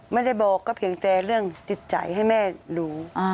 ไม่ได้บอกก็เพียงแต่เรื่องจิตใจให้แม่รู้